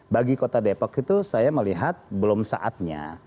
bagi kota depok itu saya melihat belum saatnya